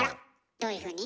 どういうふうに？